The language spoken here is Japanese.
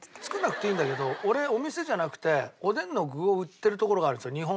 作んなくていいんだけどお店じゃなくておでんの具を売ってるところがあるんですよ